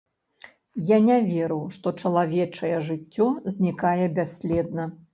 Я не веру, што чалавечае жыццё знікае бясследна.